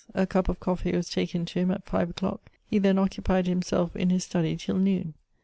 A cup of coffee was taken to him at five o'clock ; he then occupied himself in his study till noon.